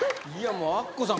もうアッコさん